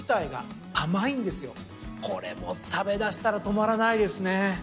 これもう食べ出したら止まらないですね。